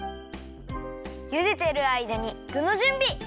ゆでてるあいだにぐのじゅんび！